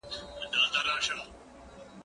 زه له سهاره نان خورم؟!